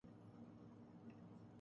magazine shoot کے دوران جنسی استحصال کیا گیا